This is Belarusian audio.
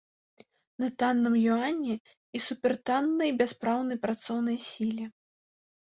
На танным юані і супертаннай, бяспраўнай працоўнай сіле.